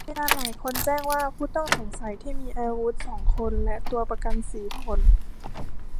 พยานหลายคนแจ้งว่าผู้ต้องสงสัยที่มีอาวุธสองคนและตัวประกันสี่คน